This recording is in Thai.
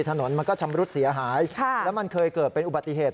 ถนนมันก็ชำรุดเสียหายแล้วมันเคยเกิดเป็นอุบัติเหตุ